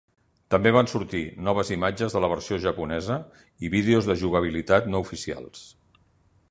També van sortir noves imatges de la versió japonesa i vídeos de jugabilitat no oficials.